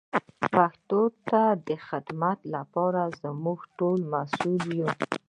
پښتو ته د خدمت لپاره موږ ټول مسئول یو.